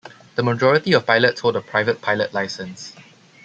The majority of pilots hold a private pilot license.